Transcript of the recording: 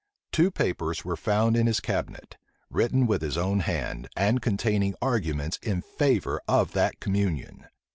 Two papers were found in his cabinet, written with his own hand, and containing arguments in favor of that communion.